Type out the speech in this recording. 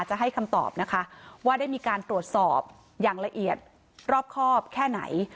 จะให้คำตอบนะคะว่าได้มีการตรวจสอบอย่างละเอียดรอบครอบแค่ไหน